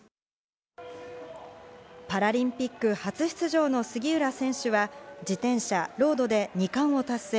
パラリンピック初出場の杉浦選手は自転車ロードで２冠を達成。